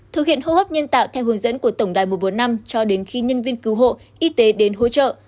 thực hiện hô hấp nhân tạo theo hướng dẫn của tổng đài một trăm bốn mươi năm cho đến khi nhân viên cứu hộ y tế đến hỗ trợ